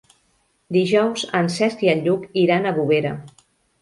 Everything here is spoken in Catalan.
Dijous en Cesc i en Lluc iran a Bovera.